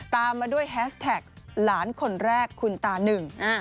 ตามมาด้วยแฮสแท็กหลานคนแรกคุณตาหนึ่ง